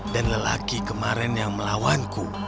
dan lelaki kemarin yang melawan